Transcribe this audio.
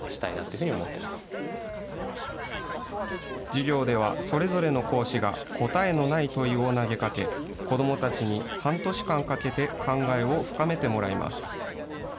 授業では、それぞれの講師が答えのない問いを投げかけ、子どもたちに半年間かけて考えを深めてもらいます。